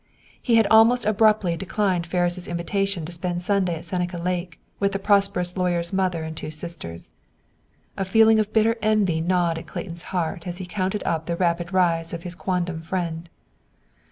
He had almost abruptly declined Ferris' invitation to spend Sunday at Seneca Lake, with the prosperous lawyer's mother and two sisters. A feeling of bitter envy gnawed at Clayton's heart as he counted up the rapid rise of his quondam friend.